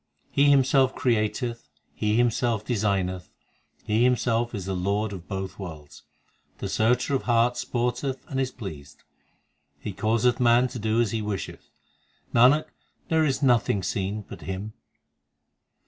He Himself createth, He Himself designeth, He Himself is the Lord of both worlds. The Searcher of hearts sporteth and is pleased ; He causeth man to do as He wisheth. Nanak, there is nothing seen but Him.